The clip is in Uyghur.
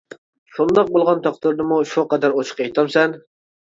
شۇنداق بولغان تەقدىردىمۇ شۇ قەدەر ئوچۇق ئېيتامسەن؟ !